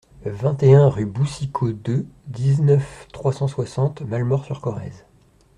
vingt et un rue Boussicot deux, dix-neuf, trois cent soixante, Malemort-sur-Corrèze